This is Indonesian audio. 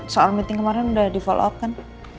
soal meeting kemarin udah di follow up kan